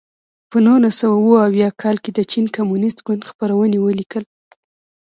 په نولس سوه اووه اویا کال کې د چین کمونېست ګوند خپرونې ولیکل.